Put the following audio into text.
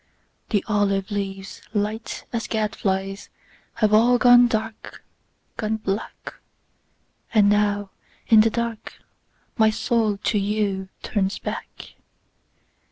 The olive leaves, light as gad flies, Have all gone dark, gone black. And now in the dark my soul to youTurns back.